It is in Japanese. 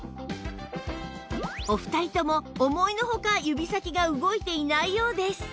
お二人とも思いのほか指先が動いていないようです